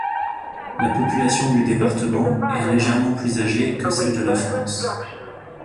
La population du département est légèrement plus âgée que celle de la France.